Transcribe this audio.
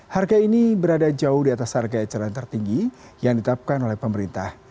harga ini berada jauh di atas harga eceran tertinggi yang ditetapkan oleh pemerintah